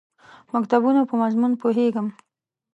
مکتوبونو په مضمون پوهېږم.